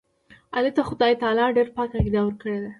علي ته خدای تعالی ډېره پاکه عقیده ورکړې ده.